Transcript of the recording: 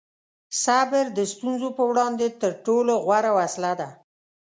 صبر د ستونزو په وړاندې تر ټولو غوره وسله ده.